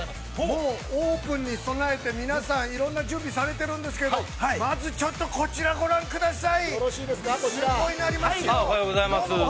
◆もうオープンに備えて皆さん、いろんな準備をされてるんですけど、まずちょっとこちらをご覧ください。